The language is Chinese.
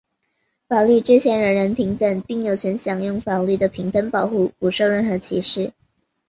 法律之前人人平等,并有权享受法律的平等保护,不受任何歧视。